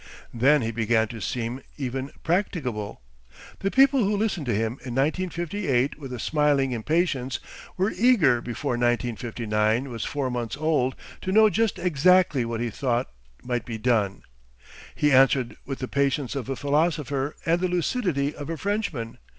Then he began to seem even practicable. The people who listened to him in 1958 with a smiling impatience, were eager before 1959 was four months old to know just exactly what he thought might be done. He answered with the patience of a philosopher and the lucidity of a Frenchman.